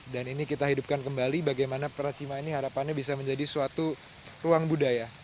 dan ini kita hidupkan kembali bagaimana pracima ini harapannya bisa menjadi suatu ruang budaya